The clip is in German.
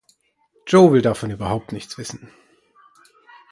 Joe will davon überhaupt nichts wissen.